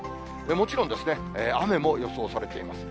もちろん、雨も予想されています。